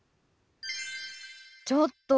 ちょっと！